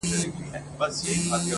زه شاعر سړی یم بې الفاظو نور څه نلرم,